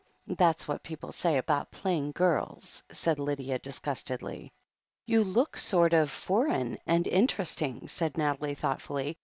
"That's what people' always say about plain girls/' said Lydia disgustedly. "You look sort of foreign, and interesting," said Nathalie thoughtfully.